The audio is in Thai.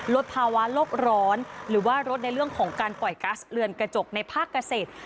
ลดภาวะโลกร้อนหรือว่าลดในเรื่องของการปล่อยกัสเรือนกระจกในภาคเกษตร